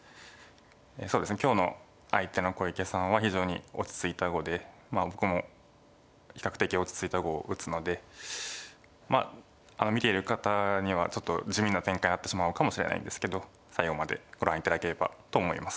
そうですね今日の相手の小池さんは非常に落ち着いた碁で僕も比較的落ち着いた碁を打つので見ている方にはちょっと地味な展開になってしまうかもしれないんですけど最後までご覧頂ければと思います。